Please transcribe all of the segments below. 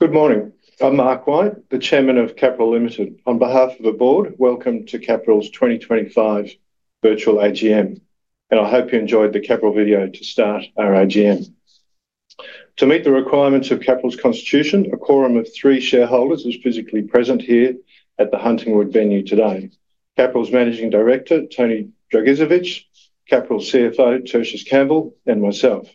Good morning. I'm Mark White, the Chairman of Capral Ltd. On behalf of the board, welcome to Capral's 2025 Virtual AGM, and I hope you enjoyed the Capral video to start our AGM. To meet the requirements of Capral's Constitution, a quorum of three shareholders is physically present here at the Huntingwood venue today: Capral's Managing Director, Tony Dragicevich; Capral's CFO, Tertius Campbell; and myself.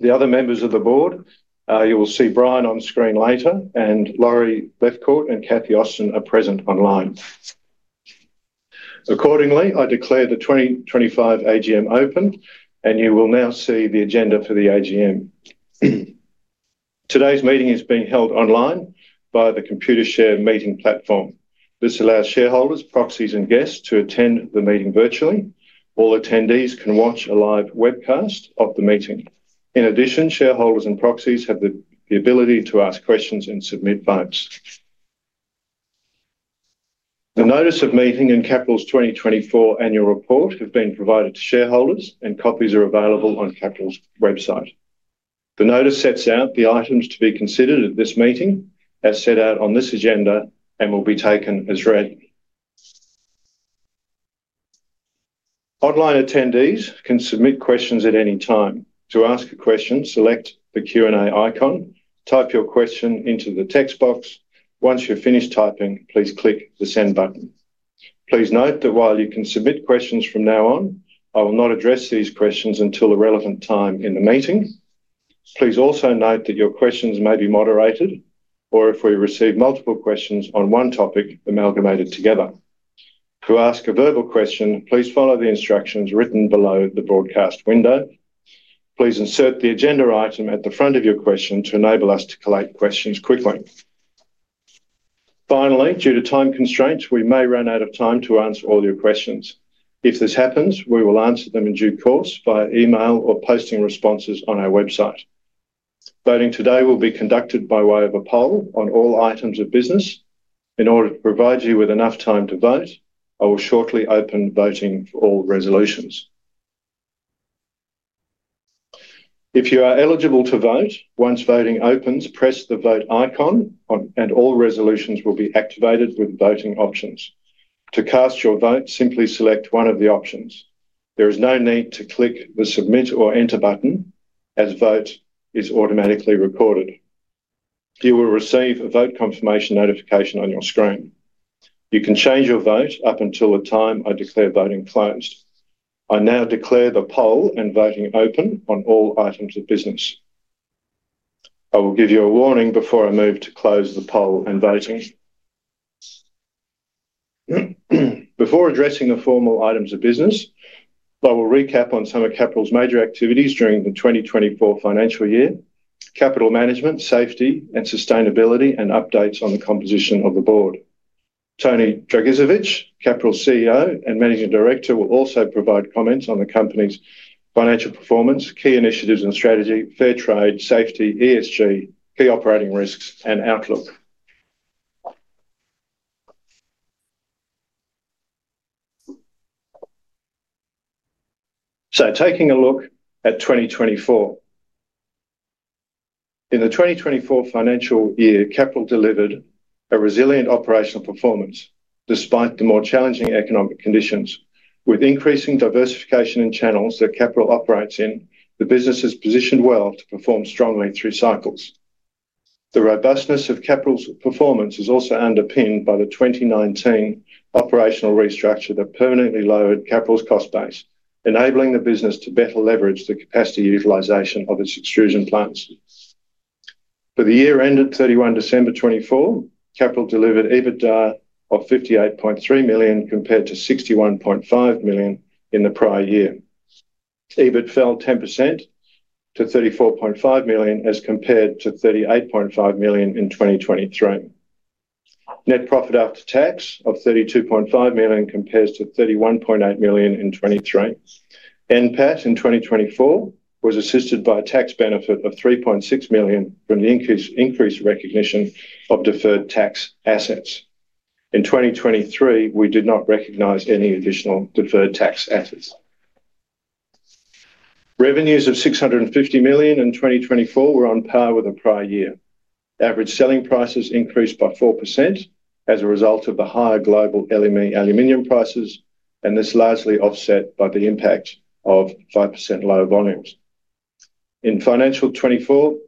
The other members of the board, you will see Brian on screen later, and Laurie Lefcourt and Kathy Austin are present online. Accordingly, I declare the 2025 AGM open, and you will now see the agenda for the AGM. Today's meeting is being held online via the Computershare Meeting platform. This allows shareholders, proxies, and guests to attend the meeting virtually. All attendees can watch a live webcast of the meeting. In addition, shareholders and proxies have the ability to ask questions and submit votes. The Notice of Meeting and Capral's 2024 Annual Report have been provided to shareholders, and copies are available on Capral's website. The notice sets out the items to be considered at this meeting, as set out on this agenda, and will be taken as read. Online attendees can submit questions at any time. To ask a question, select the Q&A icon, type your question into the text box. Once you're finished typing, please click the Send button. Please note that while you can submit questions from now on, I will not address these questions until a relevant time in the meeting. Please also note that your questions may be moderated, or if we receive multiple questions on one topic, amalgamate it together. To ask a verbal question, please follow the instructions written below the broadcast window. Please insert the agenda item at the front of your question to enable us to collect questions quickly. Finally, due to time constraints, we may run out of time to answer all your questions. If this happens, we will answer them in due course via email or posting responses on our website. Voting today will be conducted by way of a poll on all items of business. In order to provide you with enough time to vote, I will shortly open voting for all resolutions. If you are eligible to vote, once voting opens, press the Vote icon, and all resolutions will be activated with voting options. To cast your vote, simply select one of the options. There is no need to click the Submit or Enter button, as vote is automatically recorded. You will receive a vote confirmation notification on your screen. You can change your vote up until the time I declare voting closed. I now declare the poll and voting open on all items of business. I will give you a warning before I move to close the poll and voting. Before addressing the formal items of business, I will recap on some of Capral's major activities during the 2024 financial year: capital management, safety and sustainability, and updates on the composition of the board. Tony Dragicevich, Capral's CEO and Managing Director, will also provide comments on the company's financial performance, key initiatives and strategy, fair trade, safety, ESG, key operating risks, and outlook. Taking a look at 2024, in the 2024 financial year, Capral delivered a resilient operational performance despite the more challenging economic conditions. With increasing diversification in channels that Capral operates in, the business is positioned well to perform strongly through cycles. The robustness of Capral's performance is also underpinned by the 2019 operational restructure that permanently lowered Capral's cost base, enabling the business to better leverage the capacity utilization of its extrusion plants. For the year ended 31 December 2024, Capral delivered EBITDA of 58.3 million compared to 61.5 million in the prior year. EBIT fell 10% to 34.5 million as compared to 38.5 million in 2023. Net profit after tax of 32.5 million compares to 31.8 million in 2023. NPAT in 2024 was assisted by a tax benefit of 3.6 million from the increased recognition of deferred tax assets. In 2023, we did not recognize any additional deferred tax assets. Revenues of 650 million in 2024 were on par with the prior year. Average selling prices increased by 4% as a result of the higher global aluminum prices, and this is largely offset by the impact of 5% lower volumes. In financial 2024,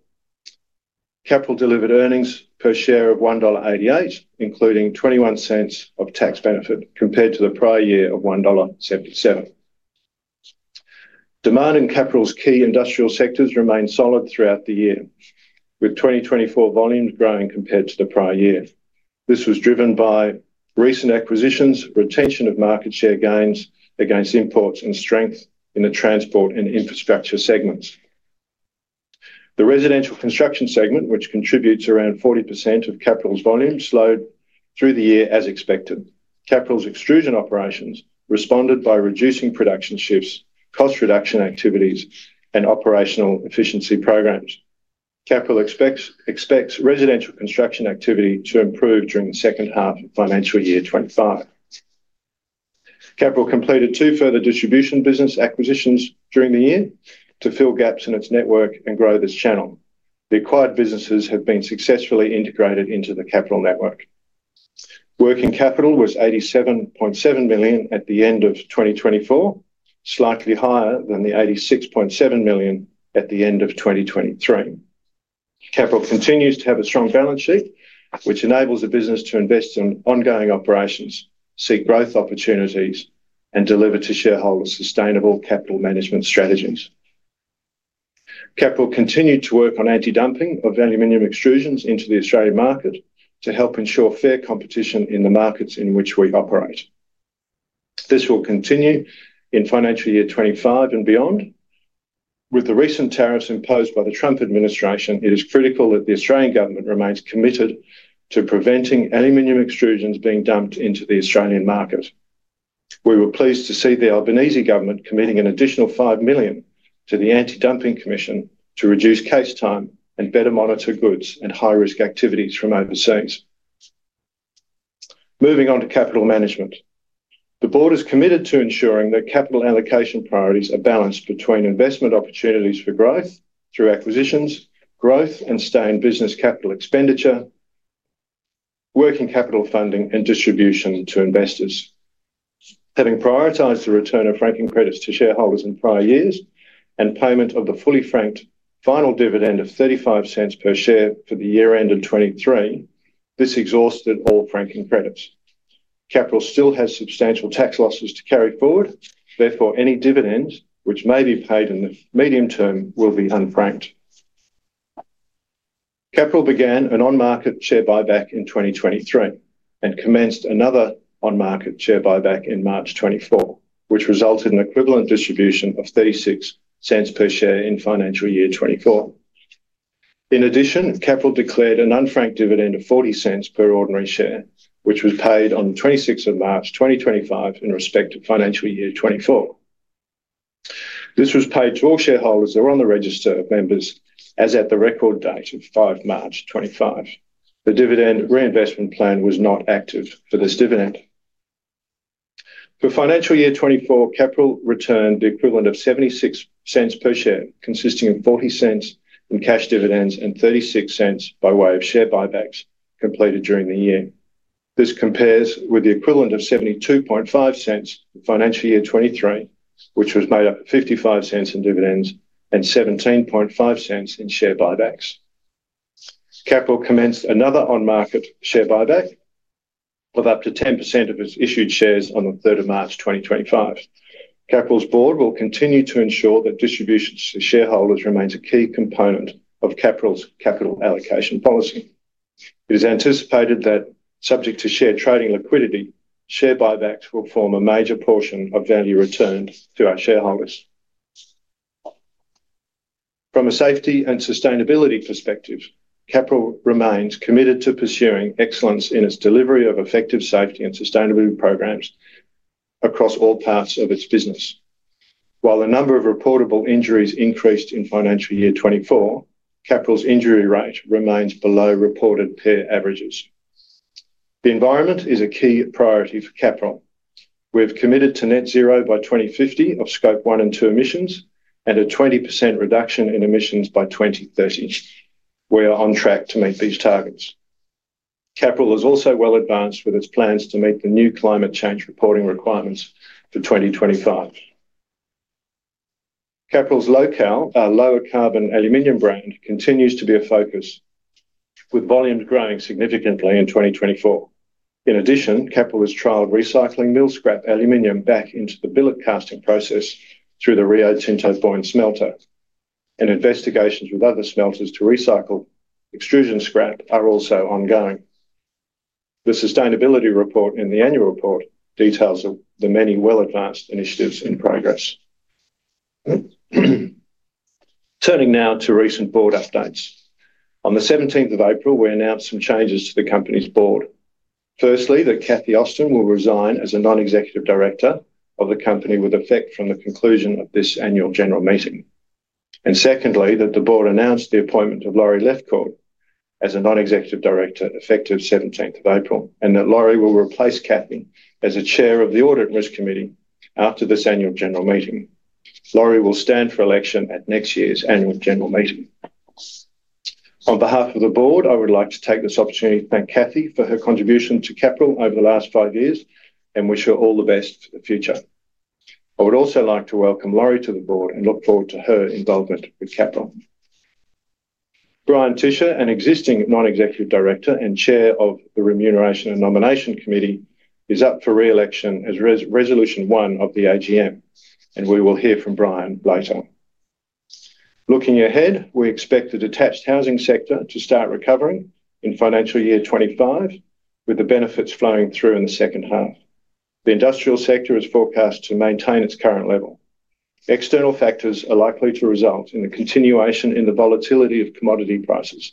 Capral delivered earnings per share of 1.88 dollar, including 0.21 of tax benefit compared to the prior year of 1.77 dollar. Demand in Capral's key industrial sectors remained solid throughout the year, with 2024 volumes growing compared to the prior year. This was driven by recent acquisitions, retention of market share gains against imports, and strength in the transport and infrastructure segments. The residential construction segment, which contributes around 40% of Capral's volume, slowed through the year as expected. Capral's extrusion operations responded by reducing production shifts, cost reduction activities, and operational efficiency programs. Capral expects residential construction activity to improve during the second half of financial year 2025. Capral completed two further distribution business acquisitions during the year to fill gaps in its network and grow this channel. The acquired businesses have been successfully integrated into the Capral network. Working capital was 87.7 million at the end of 2024, slightly higher than the 86.7 million at the end of 2023. Capral continues to have a strong balance sheet, which enables the business to invest in ongoing operations, seek growth opportunities, and deliver to shareholders sustainable capital management strategies. Capral continued to work on anti-dumping of aluminum extrusions into the Australian market to help ensure fair competition in the markets in which we operate. This will continue in financial year 2025 and beyond. With the recent tariffs imposed by the Trump administration, it is critical that the Australian government remains committed to preventing aluminum extrusions being dumped into the Australian market. We were pleased to see the Albanese government committing an additional 5 million to the Anti-Dumping Commission to reduce case time and better monitor goods and high-risk activities from overseas. Moving on to capital management, the board is committed to ensuring that capital allocation priorities are balanced between investment opportunities for growth through acquisitions, growth and stay in business capital expenditure, working capital funding, and distribution to investors. Having prioritized the return of franking credits to shareholders in prior years and payment of the fully franked final dividend of 0.35 per share for the year ended 2023, this exhausted all franking credits. Capral still has substantial tax losses to carry forward. Therefore, any dividends, which may be paid in the medium term, will be unfranked. Capral began an on-market share buyback in 2023 and commenced another on-market share buyback in March 2024, which resulted in equivalent distribution of 0.36 per share in financial year 2024. In addition, Capral declared an unfranked dividend of 0.40 per ordinary share, which was paid on 26 March 2025 in respect of financial year 2024. This was paid to all shareholders that were on the register of members as at the record date of 5 March 2025. The dividend reinvestment plan was not active for this dividend. For financial year 2024, Capral returned the equivalent of 0.76 per share, consisting of 0.40 in cash dividends and 0.36 by way of share buybacks completed during the year. This compares with the equivalent of 0.725 in financial year 2023, which was made up of 0.55 in dividends and 0.175 in share buybacks. Capral commenced another on-market share buyback of up to 10% of its issued shares on 3 March 2025. Capral's board will continue to ensure that distributions to shareholders remain a key component of Capral's capital allocation policy. It is anticipated that, subject to share trading liquidity, share buybacks will form a major portion of value returned to our shareholders. From a safety and sustainability perspective, Capral remains committed to pursuing excellence in its delivery of effective safety and sustainability programs across all parts of its business. While the number of reportable injuries increased in financial year 2024, Capral's injury rate remains below reported peer averages. The environment is a key priority for Capral. We have committed to net zero by 2050 of Scope 1 and 2 emissions and a 20% reduction in emissions by 2030. We are on track to meet these targets. Capral is also well advanced with its plans to meet the new climate change reporting requirements for 2025. Capral's Locale, our lower carbon aluminum brand, continues to be a focus, with volumes growing significantly in 2024. In addition, Capral has trialed recycling mill scrap aluminum back into the billet casting process through the Rio Tinto Boyne smelter, and investigations with other smelters to recycle extrusion scrap are also ongoing. The sustainability report in the annual report details the many well-advanced initiatives in progress. Turning now to recent board updates. On 17 April, we announced some changes to the company's board. Firstly, that Kathy Austin will resign as a Non-Executive Director of the company with effect from the conclusion of this annual general meeting. Secondly, the board announced the appointment of Laurie Lefcourt as a Non-Executive Director effective 17 April, and that Laurie will replace Kathy as Chair of the Audit Risk Committee after this annual general meeting. Laurie will stand for election at next year's annual general meeting. On behalf of the board, I would like to take this opportunity to thank Kathy for her contribution to Capral over the last five years and wish her all the best for the future. I would also like to welcome Laurie to the board and look forward to her involvement with Capral. Brian Tischer, an existing non-executive director and chair of the Remuneration and Nomination Committee, is up for re-election as Resolution one of the AGM, and we will hear from Brian later. Looking ahead, we expect the detached housing sector to start recovering in financial year 2025, with the benefits flowing through in the second half. The industrial sector is forecast to maintain its current level. External factors are likely to result in the continuation in the volatility of commodity prices,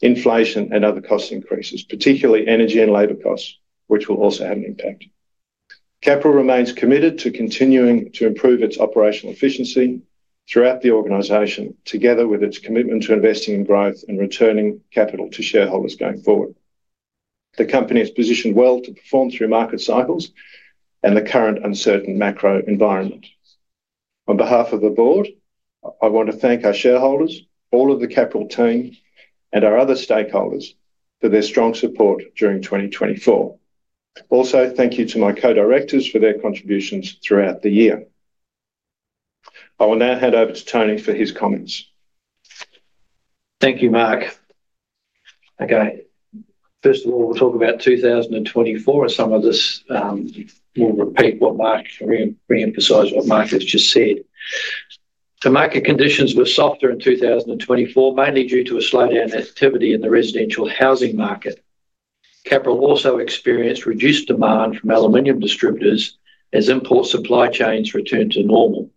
inflation, and other cost increases, particularly energy and labor costs, which will also have an impact. Capral remains committed to continuing to improve its operational efficiency throughout the organization, together with its commitment to investing in growth and returning capital to shareholders going forward. The company is positioned well to perform through market cycles and the current uncertain macro environment. On behalf of the board, I want to thank our shareholders, all of the Capral team, and our other stakeholders for their strong support during 2024. Also, thank you to my co-directors for their contributions throughout the year. I will now hand over to Tony for his comments. Thank you, Mark. Okay. First of all, we'll talk about 2024 as some of this will repeat what Mark re-emphasized, what Mark has just said. The market conditions were softer in 2024, mainly due to a slowdown in activity in the residential housing market. Capral also experienced reduced demand from aluminum distributors as import supply chains returned to normal.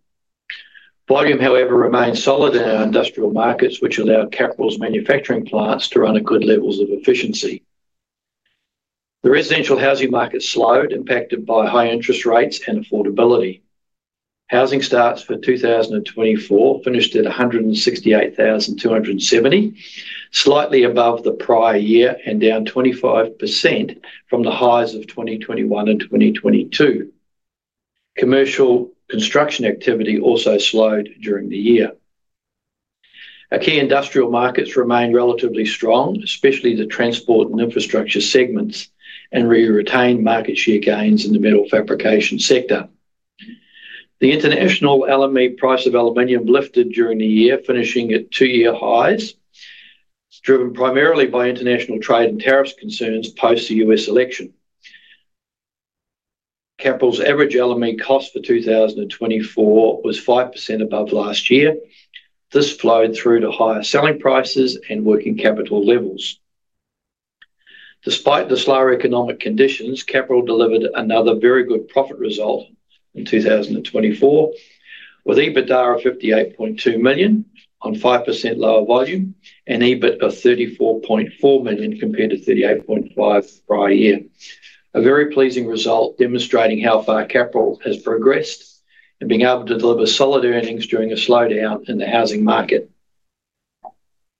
Volume, however, remained solid in our industrial markets, which allowed Capral's manufacturing plants to run at good levels of efficiency. The residential housing market slowed, impacted by high interest rates and affordability. Housing starts for 2024 finished at 168,270, slightly above the prior year and down 25% from the highs of 2021 and 2022. Commercial construction activity also slowed during the year. Our key industrial markets remained relatively strong, especially the transport and infrastructure segments, and we retained market share gains in the metal fabrication sector. The international price of aluminum lifted during the year, finishing at two-year highs, driven primarily by international trade and tariffs concerns post the U.S. election. Capral's average aluminum cost for 2024 was 5% above last year. This flowed through to higher selling prices and working capital levels. Despite the slower economic conditions, Capral delivered another very good profit result in 2024, with EBITDA of 58.2 million on 5% lower volume and EBIT of 34.4 million compared to 38.5 million prior year. A very pleasing result demonstrating how far Capral has progressed and being able to deliver solid earnings during a slowdown in the housing market.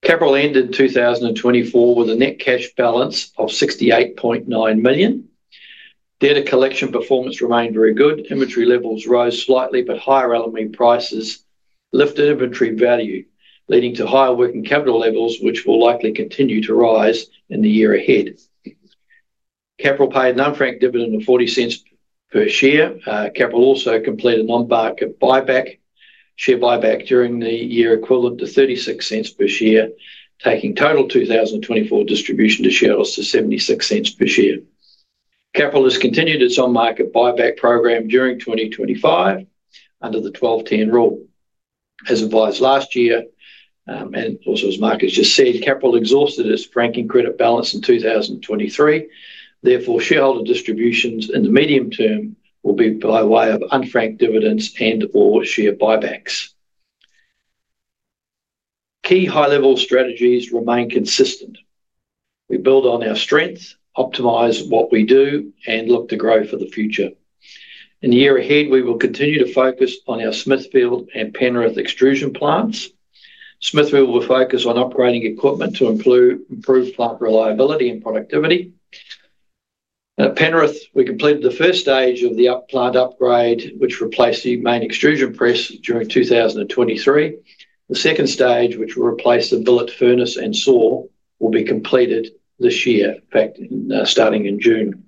Capral ended 2024 with a net cash balance of 68.9 million. Data collection performance remained very good. Inventory levels rose slightly, but higher aluminum prices lifted inventory value, leading to higher working capital levels, which will likely continue to rise in the year ahead. Capral paid an unfranked dividend of 0.40 per share. Capral also completed an on-market share buyback during the year, equivalent to 0.36 per share, taking total 2024 distribution to shareholders to 0.76 per share. Capral has continued its on-market buyback program during 2025 under the 12/10 rule. As advised last year, and also, as Mark has just said, Capral exhausted its franking credit balance in 2023. Therefore, shareholder distributions in the medium term will be by way of unfranked dividends and/or share buybacks. Key high-level strategies remain consistent. We build on our strengths, optimize what we do, and look to grow for the future. In the year ahead, we will continue to focus on our Smithfield and Penrith extrusion plants. Smithfield will focus on upgrading equipment to improve plant reliability and productivity. At Penrith, we completed the first stage of the plant upgrade, which replaced the main extrusion press during 2023. The second stage, which will replace the billet furnace and saw, will be completed this year, starting in June.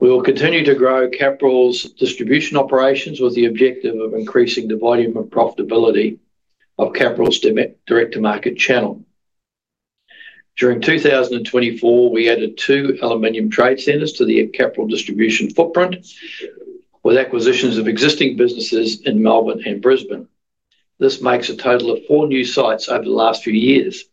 We will continue to grow Capral's distribution operations with the objective of increasing the volume of profitability of Capral's direct-to-market channel. During 2024, we added two aluminum trade centers to the Capral distribution footprint with acquisitions of existing businesses in Melbourne and Brisbane. This makes a total of four new sites over the last few years.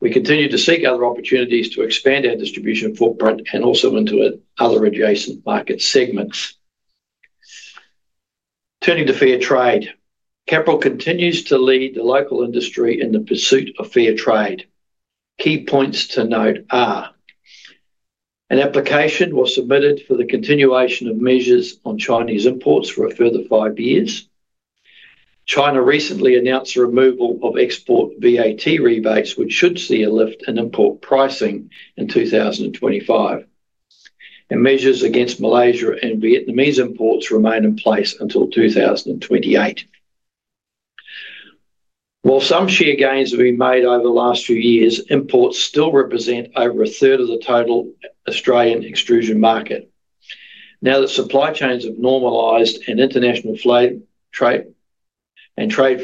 We continue to seek other opportunities to expand our distribution footprint and also into other adjacent market segments. Turning to fair trade, Capral continues to lead the local industry in the pursuit of fair trade. Key points to note are: an application was submitted for the continuation of measures on Chinese imports for a further five years. China recently announced the removal of export VAT rebates, which should see a lift in import pricing in 2025. Measures against Malaysia and Vietnamese imports remain in place until 2028. While some share gains have been made over the last few years, imports still represent over a third of the total Australian extrusion market. Now that supply chains have normalized and international trade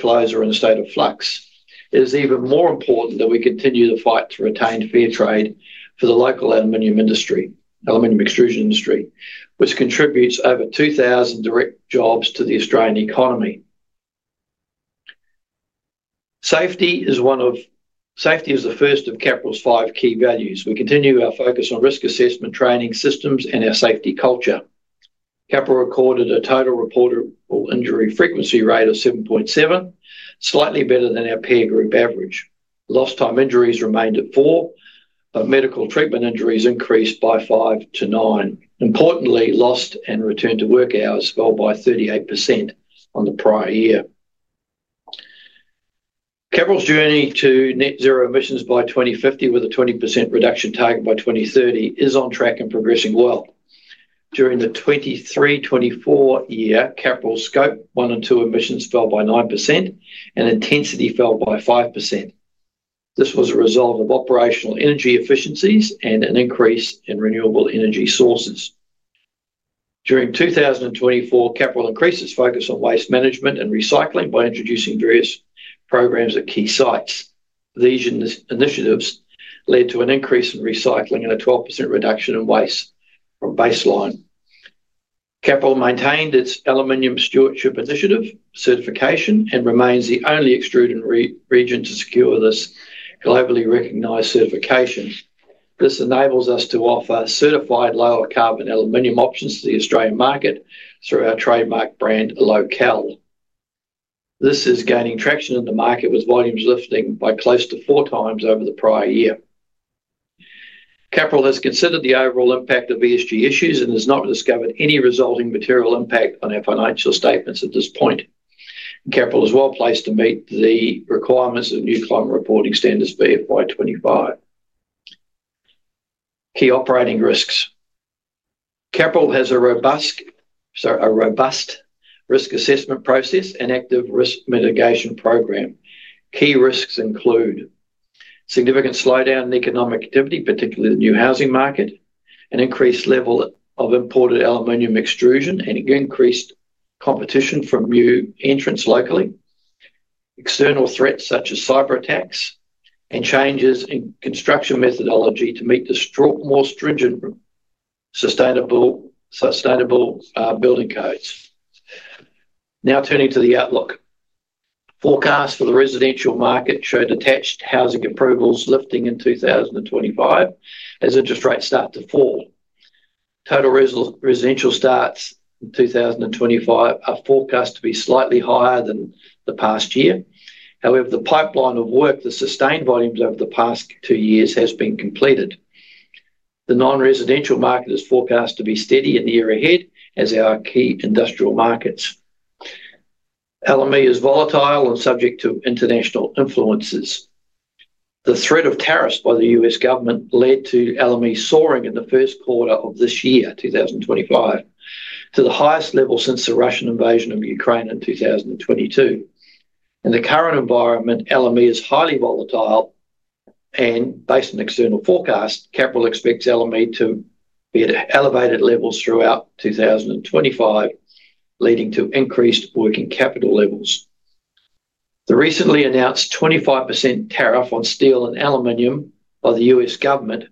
flows are in a state of flux, it is even more important that we continue the fight to retain fair trade for the local aluminum extrusion industry, which contributes over 2,000 direct jobs to the Australian economy. Safety is the first of Capral's five key values. We continue our focus on risk assessment, training systems, and our safety culture. Capral recorded a total reported injury frequency rate of 7.7, slightly better than our peer group average. Lost-time injuries remained at 4, but medical treatment injuries increased by 5 to 9. Importantly, lost and returned to work hours fell by 38% on the prior year. Capral's journey to net zero emissions by 2050, with a 20% reduction target by 2030, is on track and progressing well. During the 2023/2024 year, Capral's Scope 1 and 2 emissions fell by 9%, and intensity fell by 5%. This was a result of operational energy efficiencies and an increase in renewable energy sources. During 2024, Capral increased its focus on waste management and recycling by introducing various programs at key sites. These initiatives led to an increase in recycling and a 12% reduction in waste from baseline. Capral maintained its aluminum stewardship initiative certification and remains the only extruding region to secure this globally recognized certification. This enables us to offer certified lower carbon aluminum options to the Australian market through our trademark brand Locale. This is gaining traction in the market, with volumes lifting by close to four times over the prior year. Capral has considered the overall impact of ESG issues and has not discovered any resulting material impact on our financial statements at this point. Capral is well placed to meet the requirements of new climate reporting standards by 2025. Key operating risks. Capral has a robust risk assessment process and active risk mitigation program. Key risks include significant slowdown in economic activity, particularly the new housing market, an increased level of imported aluminum extrusion, and increased competition from new entrants locally. External threats such as cyberattacks and changes in construction methodology to meet the more stringent sustainable building codes. Now turning to the outlook. Forecasts for the residential market show detached housing approvals lifting in 2025 as interest rates start to fall. Total residential starts in 2025 are forecast to be slightly higher than the past year. However, the pipeline of work, the sustained volumes over the past two years, have been completed. The non-residential market is forecast to be steady in the year ahead as are key industrial markets. Alum is volatile and subject to international influences. The threat of tariffs by the U.S. government led to alum soaring in the first quarter of this year, 2025, to the highest level since the Russian invasion of Ukraine in 2022. In the current environment, alum is highly volatile, and based on external forecasts, Capral expects alum to be at elevated levels throughout 2025, leading to increased working capital levels. The recently announced 25% tariff on steel and aluminum by the U.S. government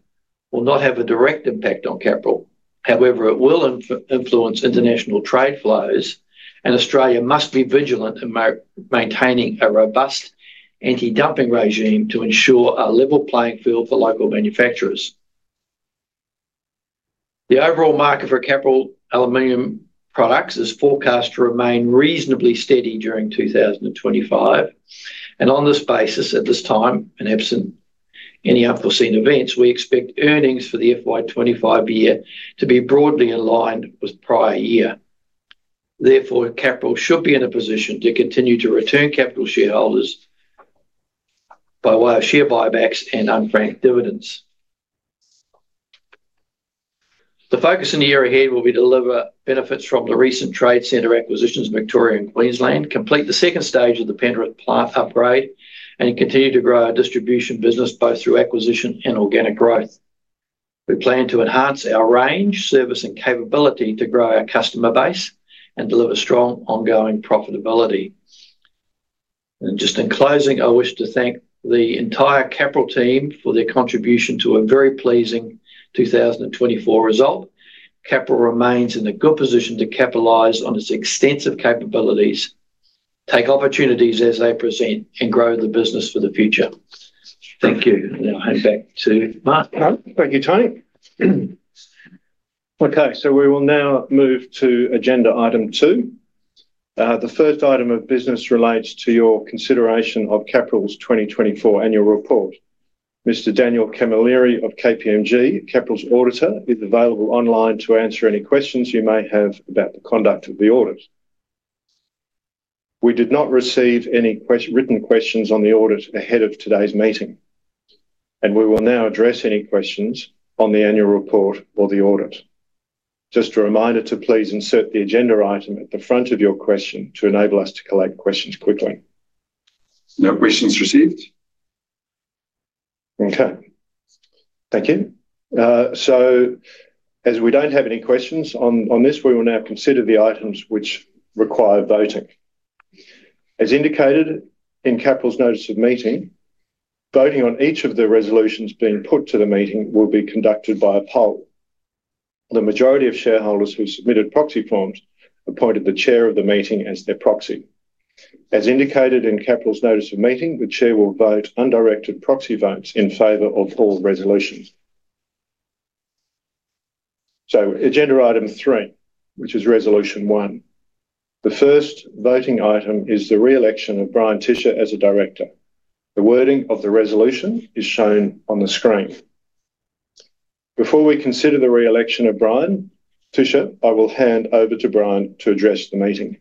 will not have a direct impact on Capral. However, it will influence international trade flows, and Australia must be vigilant in maintaining a robust anti-dumping regime to ensure a level playing field for local manufacturers. The overall market for Capral aluminum products is forecast to remain reasonably steady during 2025. On this basis, at this time, and absent any unforeseen events, we expect earnings for the FY25 year to be broadly aligned with the prior year. Therefore, Capral should be in a position to continue to return capital to shareholders by way of share buybacks and unfranked dividends. The focus in the year ahead will be to deliver benefits from the recent trade center acquisitions in Victoria and Queensland, complete the second stage of the Penrith plant upgrade, and continue to grow our distribution business both through acquisition and organic growth. We plan to enhance our range, service, and capability to grow our customer base and deliver strong ongoing profitability. In closing, I wish to thank the entire Capral team for their contribution to a very pleasing 2024 result. Capral remains in a good position to capitalize on its extensive capabilities, take opportunities as they present, and grow the business for the future. Thank you. Now I'll hand back to Mark. Thank you, Tony. Okay. We will now move to agenda item two. The first item of business relates to your consideration of Capral's 2024 annual report. Mr. Daniel Camilleri of KPMG, Capral's auditor, is available online to answer any questions you may have about the conduct of the audit. We did not receive any written questions on the audit ahead of today's meeting, and we will now address any questions on the annual report or the audit. Just a reminder to please insert the agenda item at the front of your question to enable us to collect questions quickly. No questions received. Okay. Thank you. As we do not have any questions on this, we will now consider the items which require voting. As indicated in Capral's notice of meeting, voting on each of the resolutions being put to the meeting will be conducted by a poll. The majority of shareholders who submitted proxy forms appointed the Chair of the meeting as their proxy. As indicated in Capral's notice of meeting, the Chair will vote undirected proxy votes in favor of all resolutions. Agenda item three, which is resolution one. The first voting item is the re-election of Brian Tischer as a director. The wording of the resolution is shown on the screen. Before we consider the re-election of Brian Tischer, I will hand over to Brian to address the meeting.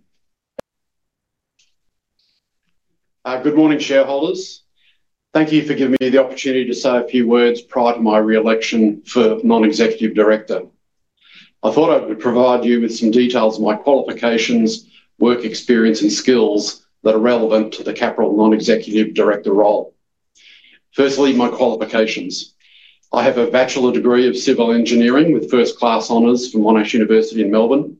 Good morning, shareholders. Thank you for giving me the opportunity to say a few words prior to my re-election for Non-Executive Director. I thought I would provide you with some details of my qualifications, work experience, and skills that are relevant to the Capral non-executive director role. Firstly, my qualifications. I have a bachelor's degree of civil engineering with first-class honors from Monash University in Melbourne,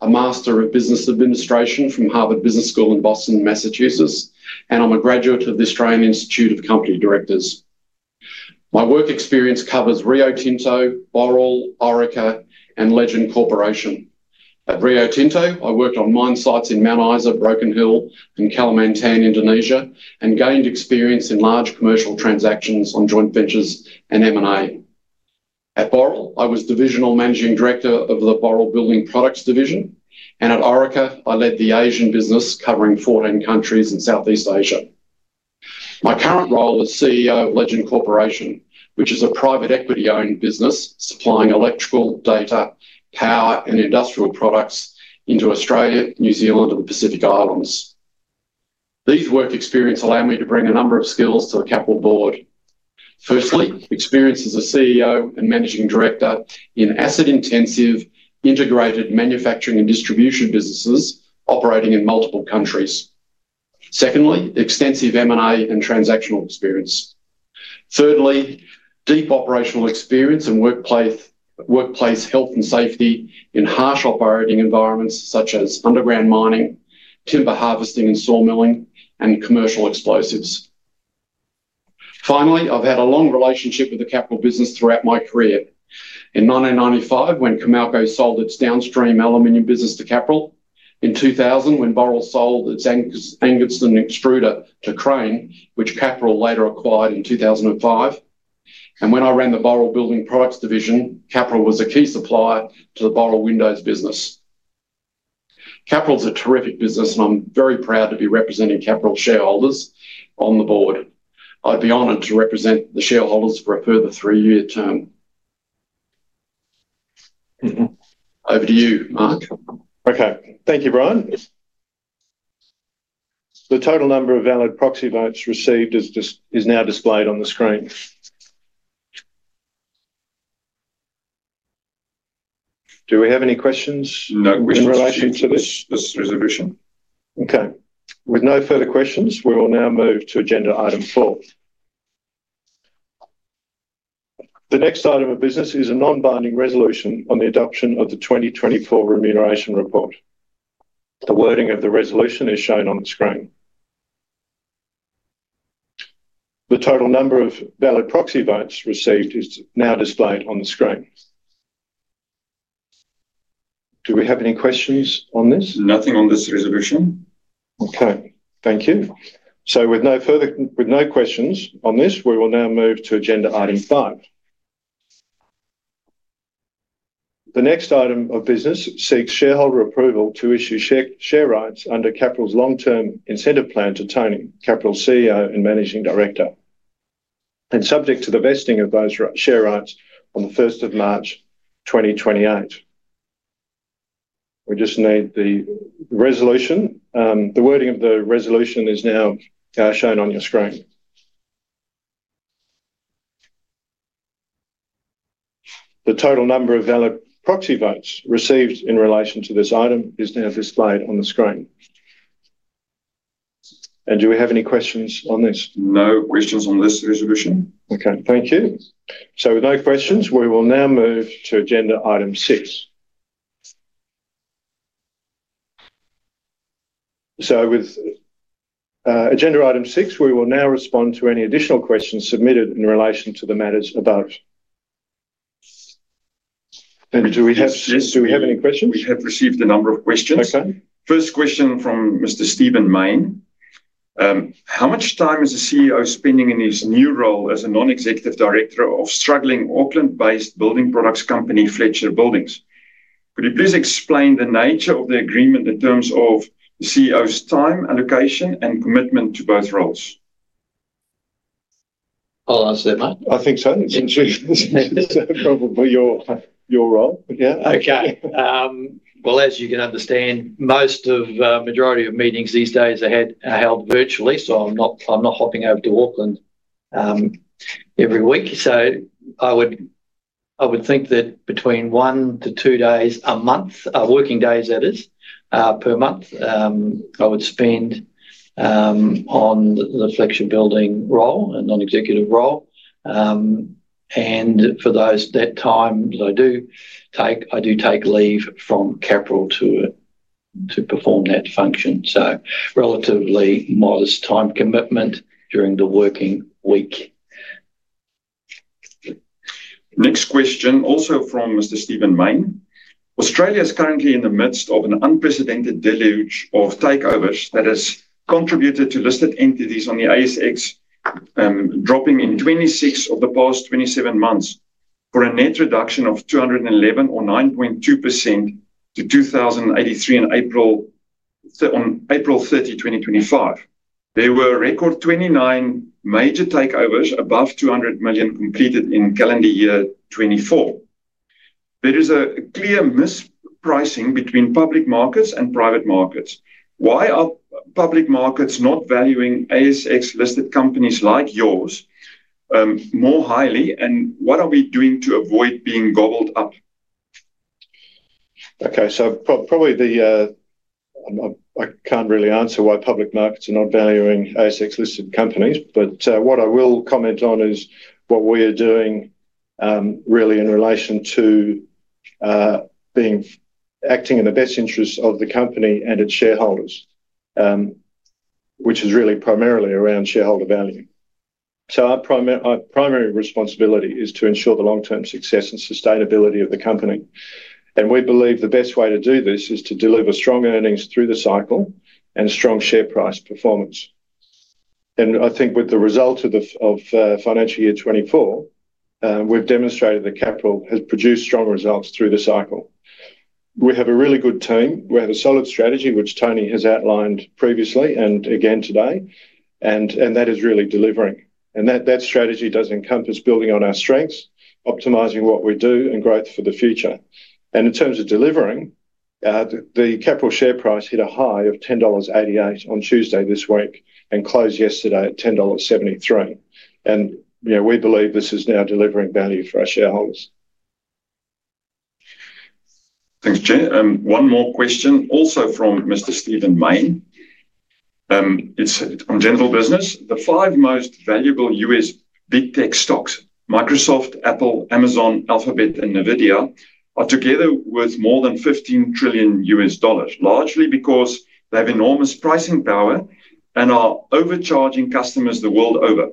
a master of business administration from Harvard Business School in Boston, Massachusetts, and I'm a graduate of the Australian Institute of Company Directors. My work experience covers Rio Tinto, Boral, Orica, and Legend Corporation. At Rio Tinto, I worked on mine sites in Mount Isa, Broken Hill, and Kalimantan, Indonesia, and gained experience in large commercial transactions on joint ventures and M&A. At Boral, I was divisional managing director of the Boral Building Products division, and at Orica, I led the Asian business covering 14 countries in Southeast Asia. My current role is CEO of Legend Corporation, which is a private equity-owned business supplying electrical, data, power, and industrial products into Australia, New Zealand, and the Pacific Islands. These work experiences allow me to bring a number of skills to the Capral board. Firstly, experience as a CEO and Managing Director in asset-intensive integrated manufacturing and distribution businesses operating in multiple countries. Secondly, extensive M&A and transactional experience. Thirdly, deep operational experience and workplace health and safety in harsh operating environments such as underground mining, timber harvesting and sawmilling, and commercial explosives. Finally, I've had a long relationship with the Capral business throughout my career. In 1995, when Comalco sold its downstream aluminum business to Capral. In 2000, when Boral sold its Angaston extruder to Crane, which Capral later acquired in 2005. When I ran the Boral Building Products division, Capral was a key supplier to the Boral Windows business. Capral is a terrific business, and I'm very proud to be representing Capral's shareholders on the board. I'd be honored to represent the shareholders for a further three-year term. Over to you, Mark. Okay. Thank you, Brian. The total number of valid proxy votes received is now displayed on the screen. Do we have any questions? No questions in relation to this resolution. Okay. With no further questions, we will now move to agenda item four. The next item of business is a non-binding resolution on the adoption of the 2024 remuneration report. The wording of the resolution is shown on the screen. The total number of valid proxy votes received is now displayed on the screen. Do we have any questions on this? Nothing on this resolution. Okay. Thank you. With no questions on this, we will now move to agenda item five. The next item of business seeks shareholder approval to issue share rights under Capral's long-term incentive plan to Tony, Capral's CEO and managing director, and subject to the vesting of those share rights on the 1st of March, 2028. The wording of the resolution is now shown on your screen. The total number of valid proxy votes received in relation to this item is now displayed on the screen. Do we have any questions on this? No questions on this resolution. Okay. Thank you. With no questions, we will now move to agenda item six. With agenda item six, we will now respond to any additional questions submitted in relation to the matters above. Do we have any questions? We have received a number of questions. First question from Mr. Stephen Main. How much time is the CEO spending in his new role as a non-executive director of struggling Auckland-based building products company, Fletcher Building? Could you please explain the nature of the agreement in terms of the CEO's time, allocation, and commitment to both roles? I'll answer that, Mark. I think so. It's probably your role. Yeah. Okay. As you can understand, most of the majority of meetings these days are held virtually, so I'm not hopping over to Auckland every week. I would think that between one to two days a month, working days that is, per month, I would spend on the Fletcher Building role, a non-executive role. For that time, I do take leave from Capral to perform that function. Relatively modest time commitment during the working week. Next question, also from Mr. Stephen Main. Australia is currently in the midst of an unprecedented deluge of takeovers that has contributed to listed entities on the ASX dropping in 26 of the past 27 months for a net reduction of 211 or 9.2% to 2,083 in April 30, 2025. There were a record 29 major takeovers above 200 million completed in calendar year 2024. There is a clear mispricing between public markets and private markets. Why are public markets not valuing ASX-listed companies like yours more highly, and what are we doing to avoid being gobbled up? Okay. So probably I can't really answer why public markets are not valuing ASX-listed companies, but what I will comment on is what we are doing really in relation to acting in the best interest of the company and its shareholders, which is really primarily around shareholder value. Our primary responsibility is to ensure the long-term success and sustainability of the company. We believe the best way to do this is to deliver strong earnings through the cycle and strong share price performance. I think with the result of financial year 2024, we've demonstrated that Capral has produced strong results through the cycle. We have a really good team. We have a solid strategy, which Tony has outlined previously and again today, and that is really delivering. That strategy does encompass building on our strengths, optimizing what we do, and growth for the future. In terms of delivering, the Capral share price hit a high of AUD 10.88 on Tuesday this week and closed yesterday at AUD 10.73. We believe this is now delivering value for our shareholders. Thanks, Jen. One more question, also from Mr. Stephen Main. It's on general business. The five most valuable US big tech stocks, Microsoft, Apple, Amazon, Alphabet, and Nvidia, are together worth more than $15 trillion, largely because they have enormous pricing power and are overcharging customers the world over.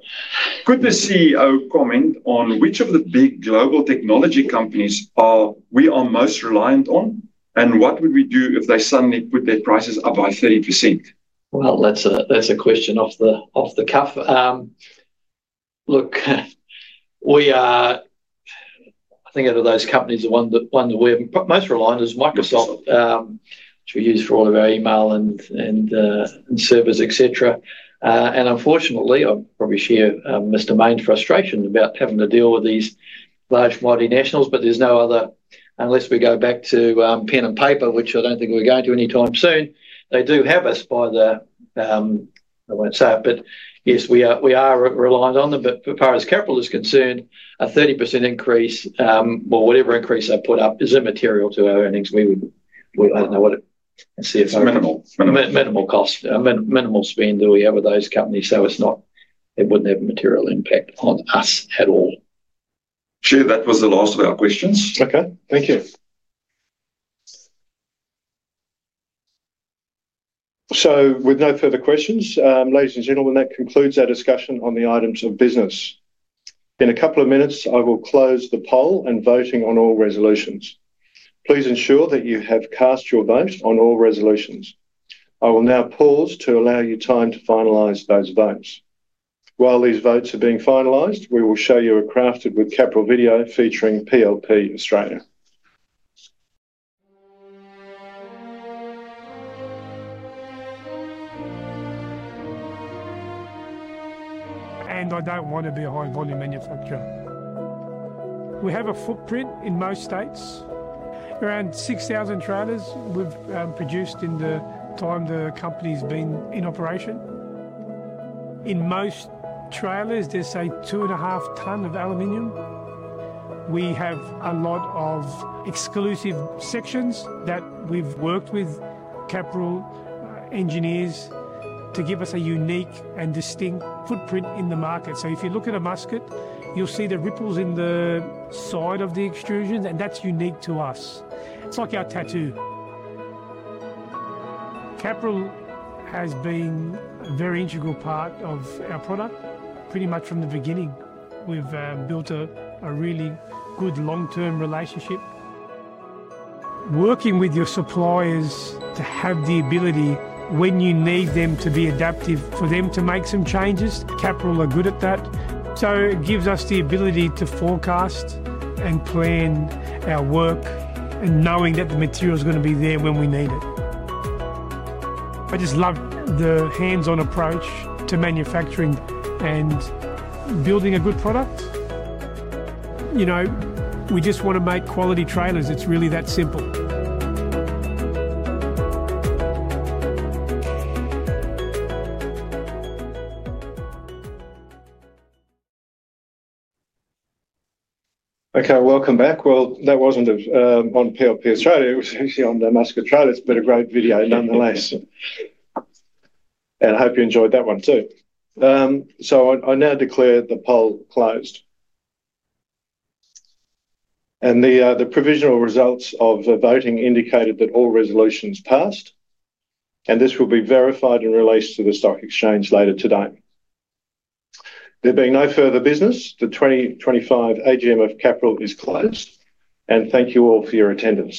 Could the CEO comment on which of the big global technology companies we are most reliant on, and what would we do if they suddenly put their prices up by 30%? That is a question off the cuff. Look, I think of those companies, the one that we're most reliant on is Microsoft, which we use for all of our email and servers, etc. Unfortunately, I'll probably share Mr. Main's frustration about having to deal with these large multinationals, but there's no other unless we go back to pen and paper, which I don't think we're going to anytime soon. They do have us by the I won't say it, but yes, we are reliant on them. As far as Capral is concerned, a 30% increase or whatever increase they put up is immaterial to our earnings. We would not want to see a very minimal cost, minimal spend that we have with those companies. It would not have a material impact on us at all. Sure. That was the last of our questions. Okay. Thank you. With no further questions, ladies and gentlemen, that concludes our discussion on the items of business. In a couple of minutes, I will close the poll and voting on all resolutions. Please ensure that you have cast your vote on all resolutions. I will now pause to allow you time to finalize those votes. While these votes are being finalized, we will show you a crafted with Capral video featuring PLP Australia. I do not want to be a high-volume manufacturer. We have a footprint in most states. Around 6,000 trailers we have produced in the time the company's been in operation. In most trailers, there is a two-and-a-half-ton of aluminium. We have a lot of exclusive sections that we have worked with Capral engineers to give us a unique and distinct footprint in the market. If you look at a musket, you will see the ripples in the side of the extrusion, and that is unique to us. It is like our tattoo. Capral has been a very integral part of our product pretty much from the beginning. We have built a really good long-term relationship. Working with your suppliers to have the ability when you need them to be adaptive for them to make some changes, Capral are good at that. So it gives us the ability to forecast and plan our work and knowing that the material is going to be there when we need it. I just love the hands-on approach to manufacturing and building a good product. We just want to make quality trailers. It's really that simple. Okay. Welcome back. That was not on PLP Australia. It was actually on Musket Trailers. A great video nonetheless. I hope you enjoyed that one too. I now declare the poll closed. The provisional results of the voting indicated that all resolutions passed, and this will be verified and released to the stock exchange later today. There being no further business, the 2025 AGM of Capral is closed. Thank you all for your attendance.